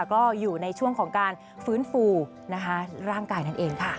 ก็อยู่ในช่วงของการฟื้นฟูร่างกายนั่นเองค่ะ